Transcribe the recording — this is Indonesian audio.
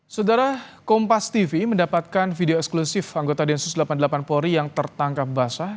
saudara kompas tv mendapatkan video eksklusif anggota densus delapan puluh delapan polri yang tertangkap basah